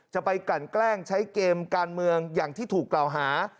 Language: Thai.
ไปกันแกล้งใช้เกมการเมืองอย่างที่ถูกกล่าวหา